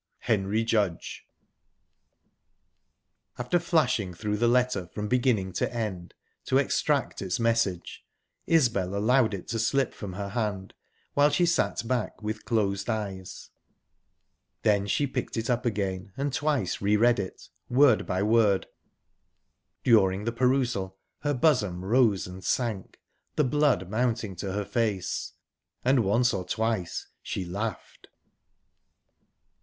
"Henry Judge" After flashing through the letter from beginning to end, to extract its message, Isbel allowed it to slip from her hand, while she sat back with close eyes...Then she picked it up again, and twice re read it, word by word. During the perusal her bosom rose and sank the blood mounting to her face, and once or twice she laughed...